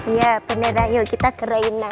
iya beneran yuk kita ke reina